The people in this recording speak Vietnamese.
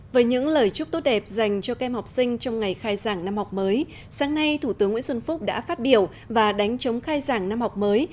với những lời chúc tốt đẹp dành cho kem học sinh trong ngày khai giảng năm học mới sáng nay thủ tướng nguyễn xuân phúc đã phát biểu và đánh chống khai giảng năm học mới